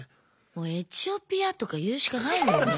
もうエチオピアとか言うしかないもんね。